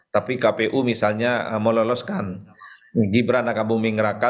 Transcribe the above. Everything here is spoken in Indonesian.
tapi kpu misalnya meloloskan gibran nakabumi ngeraka